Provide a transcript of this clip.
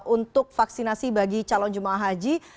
untuk vaksinasi bagi calon jemaah haji